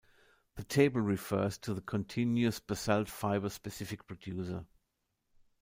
The table refers to the continuous basalt fiber specific producer.